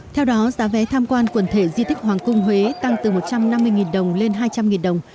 theo đó giá vé tham quan quần thể di tích hoàng cung huế tăng từ một trăm năm mươi đồng lên hai trăm linh đồng